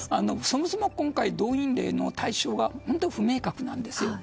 そもそも動員令の対象が本当に不明確なんですよ。